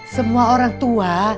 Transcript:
semua orang tua